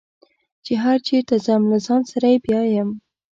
چې هر چېرته ځم له ځان سره یې بیایم.